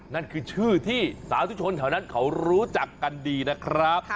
นั่นคือชื่อที่สาธุชนแถวนั้นเขารู้จักกันดีนะครับ